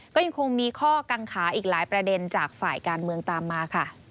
ก็ยังคงมีข้อกังขาอีกหลายประเด็นจากฝ่ายการเมืองตามมาค่ะ